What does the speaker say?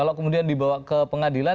yang tujuh hari saja mati lho